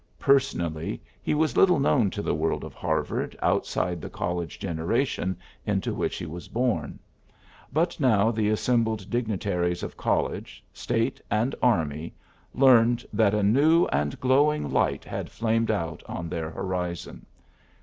Personally, he was little known in the world of Harvard outside the col lege generation into which he was born. But now the assembled dignitaries of college. State, and army, learned that a new and glowing light had flamed out on their horizon.